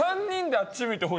あっち向いてホイ。